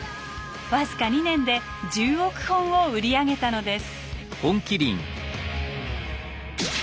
僅か２年で１０億本を売り上げたのです。